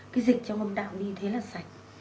cái dịch cho ngâm đạm đi thế là sạch